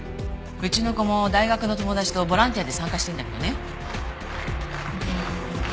うちの子も大学の友達とボランティアで参加してるんだけどね。